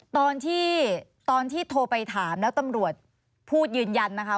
ตอนที่ตอนที่โทรไปถามแล้วตำรวจพูดยืนยันนะคะ